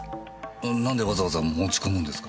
何でわざわざ持ち込むんですか？